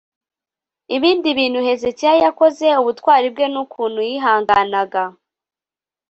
ibindi bintu hezekiya yakoze ubutwari bwe n’ukuntu yihanganaga